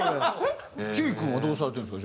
ひゅーい君はどうされてるんですか？